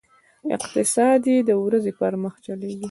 اقتصاد یې د ورځې پر مخ چلېږي.